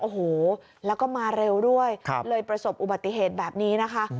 โอ้โหแล้วก็มาเร็วด้วยเลยประสบอุบัติเหตุแบบนี้นะคะ